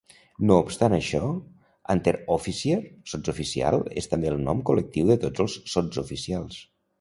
No obstant això "Unteroffizier" (sotsoficial) és també el nom col·lectiu de tots el sotsoficials.